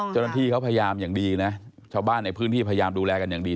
เจ้าหน้าที่เขาพยายามอย่างดีนะชาวบ้านในพื้นที่พยายามดูแลกันอย่างดี